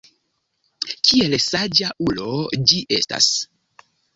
Kiel saĝa ulo ĝi estas!